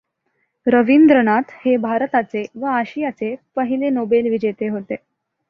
रवींद्रनाथ हे भारताचे व आशियाचे पहिले नोबेलविजेते होते.